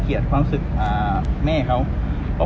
คุณพี่ตะเนื้อข่าว